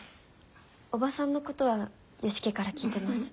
おばさんのことは良樹から聞いてます。